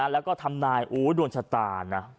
แล้วก็ทำนายวุดโดนชะตานะ